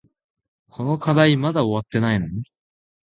この課題まだ終わってないの？